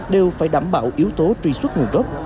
đều phải đảm bảo yếu tố truy xuất nguồn gốc